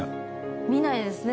見ないですね